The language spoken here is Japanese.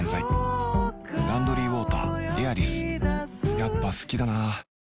やっぱ好きだな